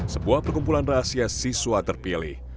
sebuah perkumpulan rahasia siswa terpilih